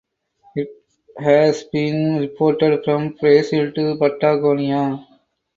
It has been reported from Brazil to Patagonia.